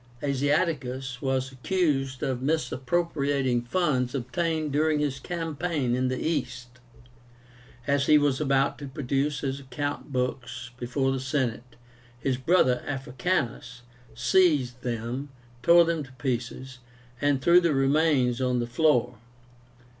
Asiaticus was accused of misappropriating funds obtained during his campaign in the East. As he was about to produce his account books before the Senate, his brother, Africanus, seized them, tore them to pieces, and threw the remnants on the floor.